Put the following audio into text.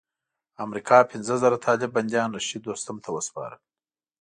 امریکا پنځه زره طالب بندیان رشید دوستم ته وسپارل.